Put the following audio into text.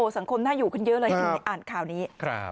สังคมน่าอยู่ขึ้นเยอะเลยทีนี้อ่านข่าวนี้